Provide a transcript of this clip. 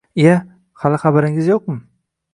— Iya, hali xabaringiz yo‘qmi?